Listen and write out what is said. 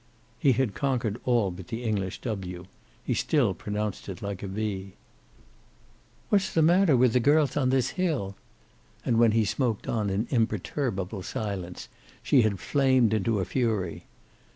He had conquered all but the English "w." He still pronounced it like a "v." "What's the matter with the girls on this hill?" And when he smoked on in imperturbable silence, she had flamed into a fury.